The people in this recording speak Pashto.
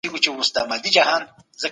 ستاسو ژوند به د ارامتیا په لور ځي.